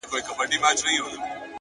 o د هغه ږغ د هر چا زړه خپلوي،